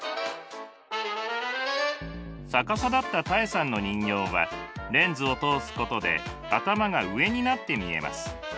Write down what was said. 逆さだったタエさんの人形はレンズを通すことで頭が上になって見えます。